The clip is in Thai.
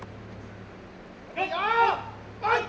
อัศวินธรรมชาติ